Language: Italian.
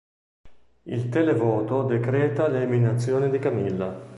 Il televoto decreta l'eliminazione di Camilla.